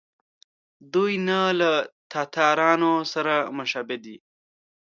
دوی نه له تاتارانو سره مشابه دي.